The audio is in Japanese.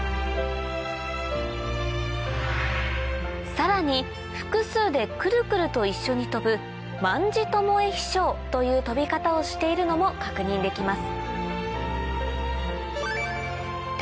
さらに複数でクルクルと一緒に飛ぶ「卍巴飛翔」という飛び方をしているのも確認できます